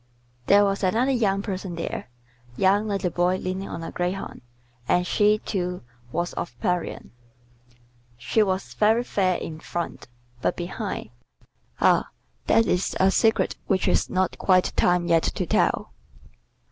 There was another young person there, young like the boy leaning on a greyhound, and she, too, was of Parian: she was very fair in front, but behind ah, that is a secret which is not quite time yet to tell.